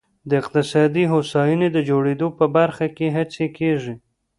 د اقتصادي هوساینې د جوړېدو په برخه کې هڅې کېږي.